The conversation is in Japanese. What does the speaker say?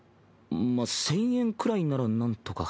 まあ１０００円くらいならなんとか。